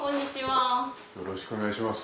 よろしくお願いします。